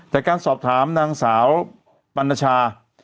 แต่การสอบถามนางสาวปรณชา